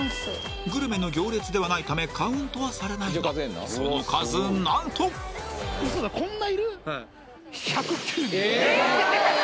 グルメの行列ではないためカウントはされないがその数何とウソだこんないる？